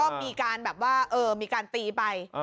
ก็มีการแบบว่ามีการตีไป